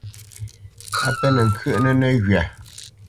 A pénə̄ ŋkyə́ʼnə́ nəghywa.